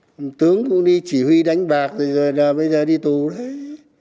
một tướng cũng đi chỉ huy đánh bạc rồi bây giờ đi tù đấy